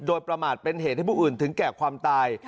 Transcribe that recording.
โดยประมาทเป็นเหตุให้ผู้อื่นถึงแก่ความตาย